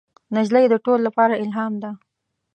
نجلۍ د ټولو لپاره الهام ده.